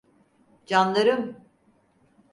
Canlarım!